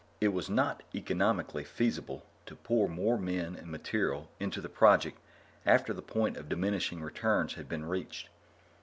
It was not economically feasible to pour more men and material into the project after the point of diminishing returns had been reached.